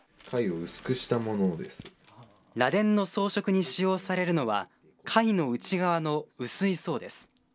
らでんの装飾に使用されるのは、貝の内側の薄い層です。